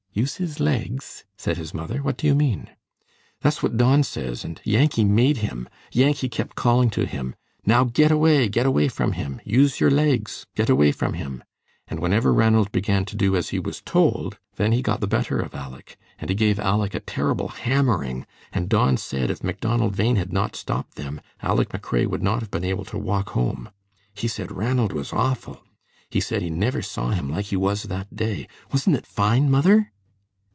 "Use his legs?" said his mother; "what do you mean?" "That's what Don says, and Yankee made him. Yankee kept calling to him, 'Now get away, get away from him! Use your legs! Get away from him!' and whenever Ranald began to do as he was told, then he got the better of Aleck, and he gave Aleck a terrible hammering, and Don said if Macdonald Bhain had not stopped them Aleck McRae would not have been able to walk home. He said Ranald was awful. He said he never saw him like he was that day. Wasn't it fine, mother?"